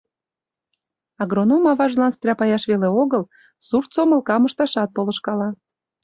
Агроном аважлан стряпаяш веле огыл, сурт сомылкам ышташат полышкала.